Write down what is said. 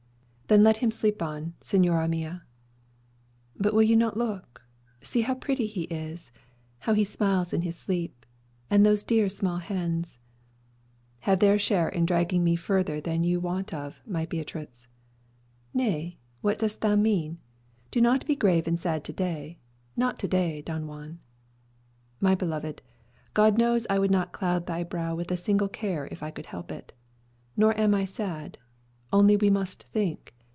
"Then let him sleep on, señora mia." "But will you not look? See, how pretty he is! How he smiles in his sleep! And those dear small hands " "Have their share in dragging me further than you wot of, my Beatriz." "Nay; what dost thou mean? Do not be grave and sad to day not to day, Don Juan." "My beloved, God knows I would not cloud thy brow with a single care if I could help it. Nor am I sad. Only we must think.